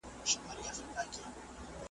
د مهاجرینو ستونزې درک کړئ.